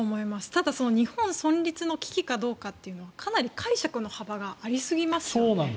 ただ、日本存立の危機かどうかはかなり解釈の幅がありすぎますよね。